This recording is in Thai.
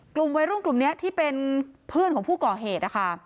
กลุ่มวัยรุ่นกลุ่มนี้ที่เป็นเพื่อนของผู้ก่อเหตุนะคะ